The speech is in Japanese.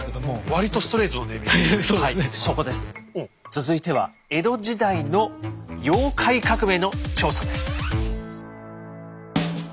続いては江戸時代の妖怪革命の調査です。